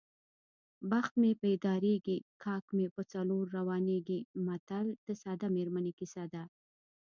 بخت مې پیدارېږي کاک مې په څلور روانېږي متل د ساده میرمنې کیسه ده